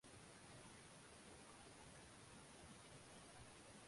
তাদের দুই কন্যা সন্তান আছে।